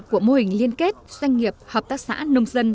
của mô hình liên kết doanh nghiệp hợp tác xã nông dân